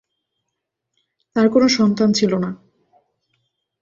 তার কোনো সন্তান ছিল না।